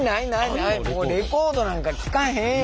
レコードなんか聴かへんよ。